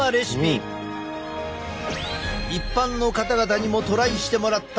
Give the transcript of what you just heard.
一般の方々にもトライしてもらった。